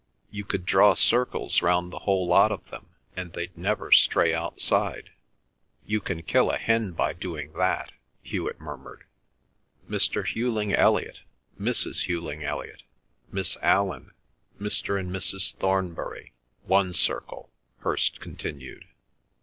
You could draw circles round the whole lot of them, and they'd never stray outside." ("You can kill a hen by doing that"), Hewet murmured. "Mr. Hughling Elliot, Mrs. Hughling Elliot, Miss Allan, Mr. and Mrs. Thornbury—one circle," Hirst continued.